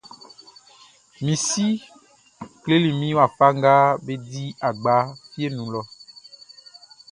Mi si kleli min wafa nga be di agba fieʼn nun lɔʼn.